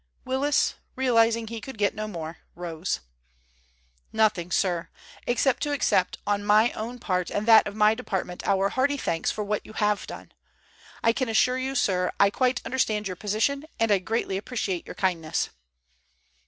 Willis, realizing he could get no more, rose. "Nothing, sir, except to accept on my own part and that of my department our hearty thanks for what you have done. I can assure you, sir, I quite understand your position, and I greatly appreciate your kindness."